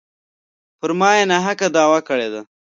پر ما یې ناحقه دعوه کړې ده.